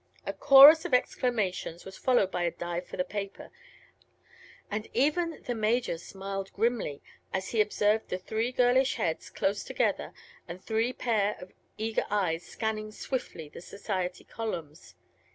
A chorus of exclamations was followed by a dive for the paper, and even the Major smiled grimly as he observed the three girlish heads close together and three pair of eager eyes scanning swiftly the society columns.